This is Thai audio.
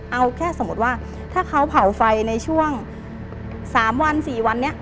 เอาแค่สมมุติว่าถ้าเขาเผาไฟในช่วง๓วัน๔วันนี้